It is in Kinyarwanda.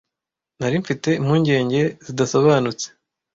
nari mfite impungenge zidasobanutse